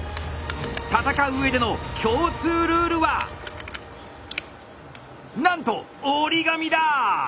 戦う上での共通ルールはなんと折り紙だ！